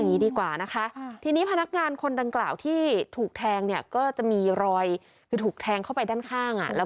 อย่างนี้ดีกว่านะคะทีนี้พนักงานคนดังกล่าวที่ถูกแทงเนี่ยก็จะมีรอยคือถูกแทงเข้าไปด้านข้างอ่ะแล้ว